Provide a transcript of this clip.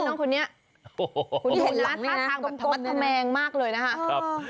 คุณดูนะท่าทางแมงมากเลยนะครับ